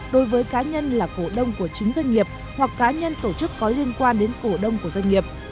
đối với cá nhân là cổ đông của chính doanh nghiệp hoặc cá nhân tổ chức có liên quan đến cổ đông của doanh nghiệp